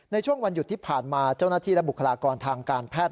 ในช่วงวันหยุดที่ผ่านมาเจ้าหน้าที่และบุคลากรทางการแพทย์